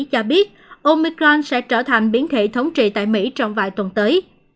cho biết omicron sẽ trở thành biến thể thống trị tại mỹ trong vài tuần tới